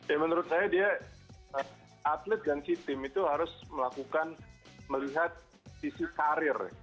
ya menurut saya dia atlet ganti tim itu harus melakukan melihat sisi karir